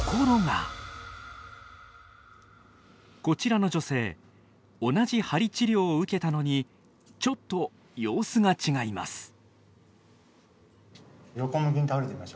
こちらの女性同じ鍼治療を受けたのにちょっと様子が違います。